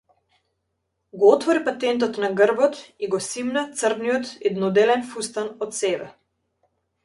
Го отвори патентот на грбот и го симна црниот едноделен фустан од себе.